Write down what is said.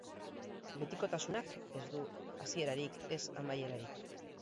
Betikotasunak ez du hasierarik, ez amaierarik.